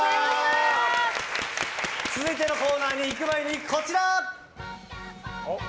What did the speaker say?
続いてのコーナーに行く前にこちら。